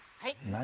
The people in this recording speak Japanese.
何？